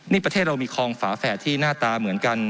นี่ประเทศเรามีคลองฝาแฝดที่หน้าตาเหมือนกัน